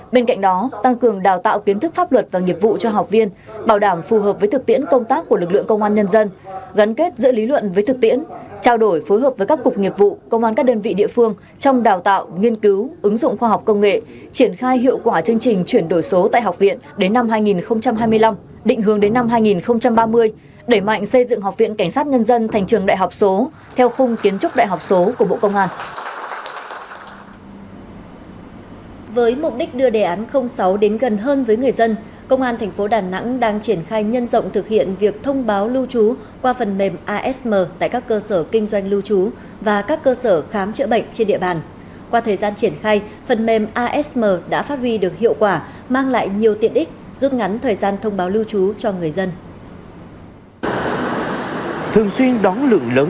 bên cạnh đó tăng cường đào tạo kiến thức pháp luật và nghiệp vụ cho học viên bảo đảm phù hợp với thực tiễn công tác của lực lượng công an nhân dân gắn kết giữa lý luận với thực tiễn trao đổi phối hợp với các cục nghiệp vụ công an các đơn vị địa phương trong đào tạo nghiên cứu ứng dụng khoa học công nghệ triển khai hiệu quả chương trình chuyển đổi số tại học viện đến năm hai nghìn hai mươi năm định hướng đến năm hai nghìn ba mươi để mạnh xây dựng học viện cảnh sát nhân dân thành trường đại học số theo khung kiến trúc đại học số của bộ công an